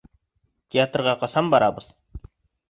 Театрға ҡасан барабыҙ?